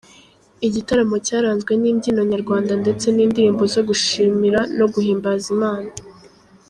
Igitaramo cyaranzwe n’imbyino nyarwanda ndetse n’indirimbo zo gushimira no guhimbaza Imana.